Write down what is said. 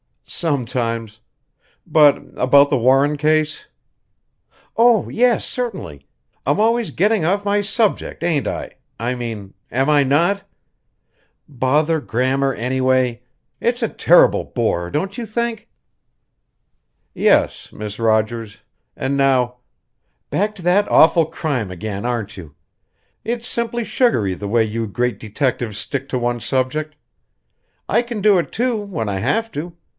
"Sometimes. But about the Warren case?" "Oh, yes, certainly! I'm always getting off my subject, ain't I? I mean am I not? Bother grammar, anyway. It's a terrible bore, don't you think?" "Yes, Miss Rogers. And now " "Back to that awful crime again, aren't you? It's simply sugary the way you great detectives stick to one subject. I can do it, too, when I have to.